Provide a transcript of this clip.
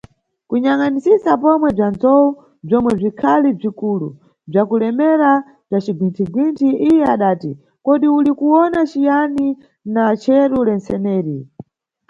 Kuyangʼanisisa pomwe bza nzowu, bzomwe bzikhali bzikulu bzakulemera bza cigwinthi-gwinthi, iye adati, kodi uli kuwona ciyani na cheru lentseneri?